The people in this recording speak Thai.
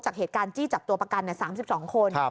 จากเหตุการณ์จี้จับตัวประกัน๓๒คน